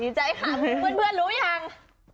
ใจค่ะเพื่อนรู้ยัง